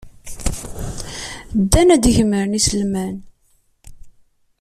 Ddan ad gemren iselman.